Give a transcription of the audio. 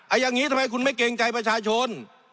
อย่างนี้ทำไมคุณไม่เกรงใจประชาชน